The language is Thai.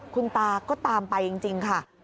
คุณตาก็ตามไปจริงค่ะ